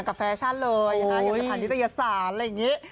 กับแฟชั่นเลยนะฮะอย่าไปพันธุ์วิทยาศาสตร์อะไรงี้